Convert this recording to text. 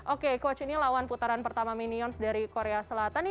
oke coach ini lawan putaran pertama minions dari korea selatan